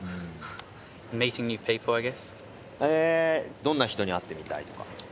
へぇどんな人に会ってみたいとか？